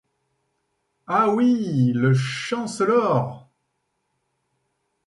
Ah, oui ! le Chancellor !